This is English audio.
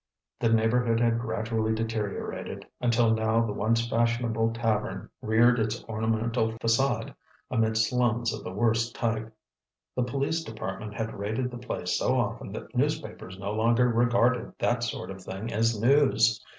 The neighborhood had gradually deteriorated, until now the once fashionable tavern reared its ornamental façade amid slums of the worst type. The police department had raided the place so often that newspapers no longer regarded that sort of thing as news.